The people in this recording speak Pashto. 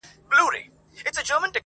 دا ټپه ورته ډالۍ كړو دواړه.